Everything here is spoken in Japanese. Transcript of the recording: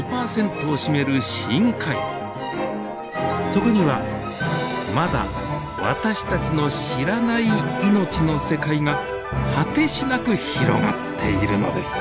そこにはまだ私たちの知らない命の世界が果てしなく広がっているのです。